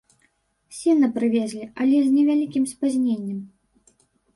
Сена прывезлі, але з невялікім спазненнем.